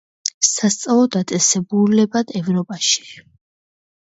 სასწავლო დაწესებულებად ევროპაში.